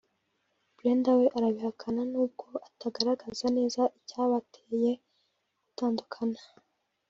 Brenda we arabihakana n’ubwo atagaragaza neza icyabateye gutandukana